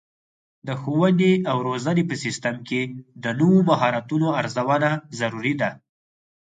د ښوونې او روزنې په سیستم کې د نوو مهارتونو ارزونه ضروري ده.